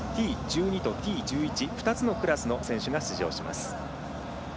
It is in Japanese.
Ｔ１２とＴ１１２つのクラスの選手が出場します。